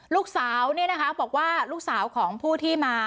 ลูกสาวบอกว่าลูกสาวของผู้ที่มา